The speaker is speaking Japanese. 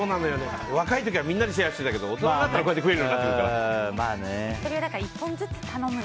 若い時はみんなでシェアしてたけど大人になったらこうやって食えるようになるから。